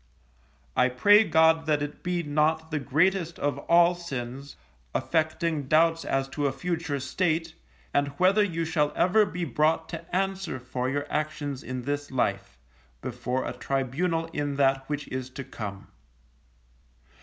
I pray God that it be not the greatest of all sins, affecting doubts as to a future state, and whether you shall ever be brought to answer for your actions in this life, before a tribunal in that which is to come.